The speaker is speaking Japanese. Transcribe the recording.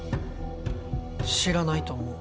知らないと思う。